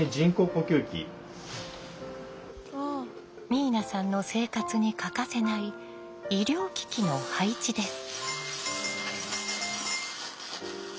明奈さんの生活に欠かせない医療機器の配置です。